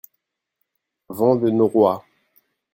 Vent de noroît.